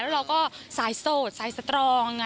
แล้วเราก็สายโสดสายสตรอง